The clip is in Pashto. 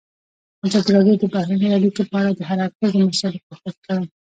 ازادي راډیو د بهرنۍ اړیکې په اړه د هر اړخیزو مسایلو پوښښ کړی.